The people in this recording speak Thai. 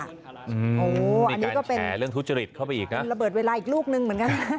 อันนี้ก็เป็นระเบิดเวลาอีกลูกหนึ่งเหมือนกัน